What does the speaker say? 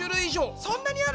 そんなにある！？